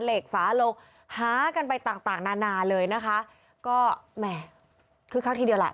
เหล็กฝาลงหากันไปต่างต่างนานาเลยนะคะก็แหม่คึกคักทีเดียวแหละ